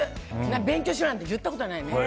勉強しろなんて言ったことないね。